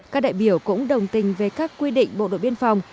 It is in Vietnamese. các đại biểu cũng đồng tình về các quy định bộ đội biên phòng